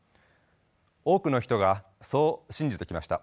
多くの人がそう信じてきました。